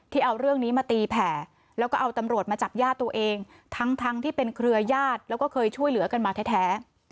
เอาเรื่องนี้มาตีแผ่แล้วก็เอาตำรวจมาจับญาติตัวเองทั้งทั้งที่เป็นเครือญาติแล้วก็เคยช่วยเหลือกันมาแท้